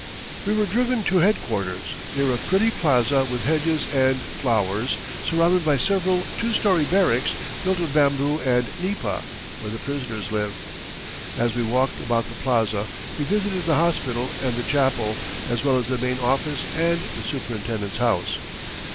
We were driven to headquarters, near a pretty plaza with hedges and flowers, surrounded by several two story barracks built of bamboo and nipa, where the prisoners live. As we walked about the plaza we visited the hospital and the chapel, as well as the main office and the superintendent's house.